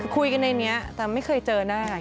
คุยกันในนี้แต่ไม่เคยเจอได้